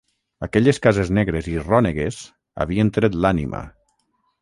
Aquelles cases negres i rònegues havien tret l'ànima